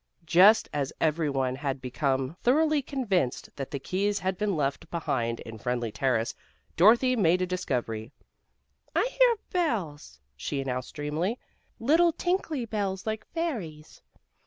Just as every one had become thoroughly convinced that the keys had been left behind in Friendly Terrace, Dorothy made a discovery. "I hear bells," she announced dreamily, "little tinkly bells like fairies."